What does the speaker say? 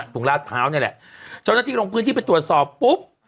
ลาดพร้าวนี่แหละเจ้าหน้าที่ลงพื้นที่ไปตรวจสอบปุ๊บ